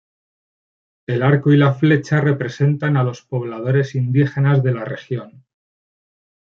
El arco y la flecha representan a los pobladores indígenas de la región.